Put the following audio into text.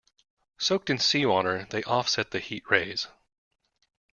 Soaked in seawater they offset the heat rays.